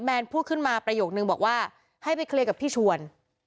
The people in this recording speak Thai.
พูดขึ้นมาประโยคนึงบอกว่าให้ไปเคลียร์กับพี่ชวน